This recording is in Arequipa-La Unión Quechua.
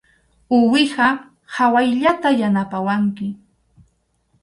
Uwiha qhawayllata yanapawanki.